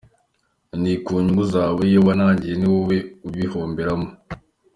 Ni ku nyungu zawe, iyo winangiye ni wowe ubihomberamo.